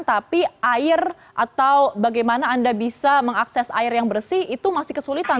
tapi air atau bagaimana anda bisa mengakses air yang bersih itu masih kesulitan